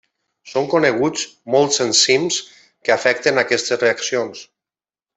Són coneguts molts enzims que afecten aquestes reaccions.